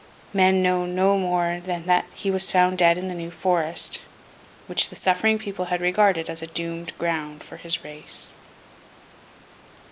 Men know no more than that he was found dead in the New Forest, which the suffering people had regarded as a doomed ground for his race.